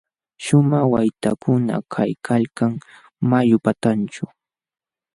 Śhumaq waytakuna kaykalkan mayu patanćhu.